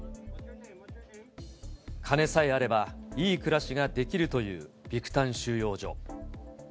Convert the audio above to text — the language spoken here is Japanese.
金さえあれば、いい暮らしができるという、ビクタン収容所。